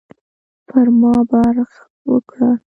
پر ما برغ وکړه.